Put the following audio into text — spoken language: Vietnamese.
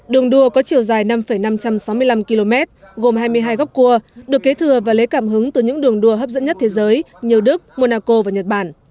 đường đua có chiều dài năm năm trăm sáu mươi năm km gồm hai mươi hai góc cua được kế thừa và lấy cảm hứng từ những đường đua hấp dẫn nhất thế giới như đức monaco và nhật bản